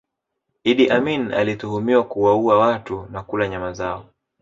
Idi Amin anatuhumiwa kuwaua watu na kula nyama zao